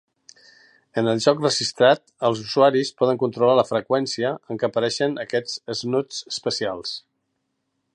En el joc registrat, els usuaris poden controlar la freqüència en què apareixen aquests Snoods especials.